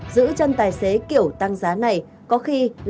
giữ chân tài xế kiểu tăng giá này có khi lãng phí